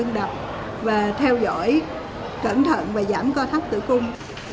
đừng đập và theo dõi cẩn thận và giảm co thấp tử cung